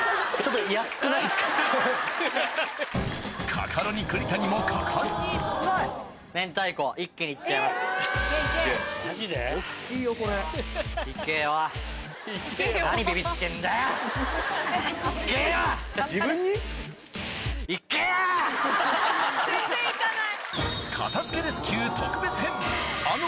カカロニ・栗谷も果敢に全然いかない！